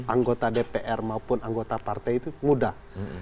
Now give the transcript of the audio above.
anggota dpr maupun anggota partai itu mudah